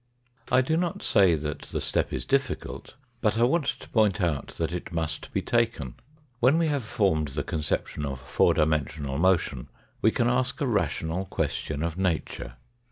I do not say that the step is difficult, but I Want to point out that it must be taken. When we have formed the conception of four dimensional motion, we can ask a rational question of Nature.